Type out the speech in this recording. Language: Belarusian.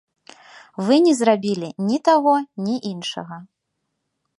Вы не зрабілі ні таго, ні іншага.